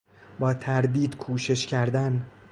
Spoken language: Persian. با تردید کوشش کردن